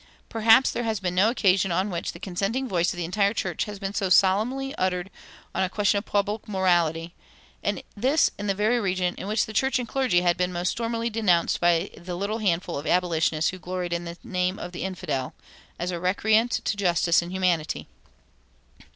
Perhaps there has been no occasion on which the consenting voice of the entire church has been so solemnly uttered on a question of public morality, and this in the very region in which church and clergy had been most stormily denounced by the little handful of abolitionists who gloried in the name of infidel[285:1] as recreant to justice and humanity.